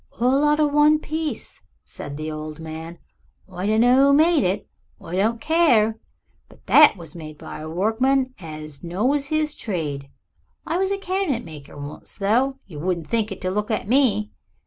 "All outer one piece," said the old man. "I dunno oo made it an' I don't care, but that was made by a workman as know'd his trade. I was a cabinet maker once, though you wouldn't think it to look at me.